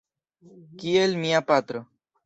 Kiel mia patro.